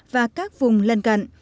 và các vùng lân cận